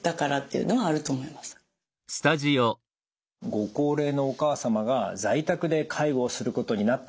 ご高齢のお母様が在宅で介護をすることになった。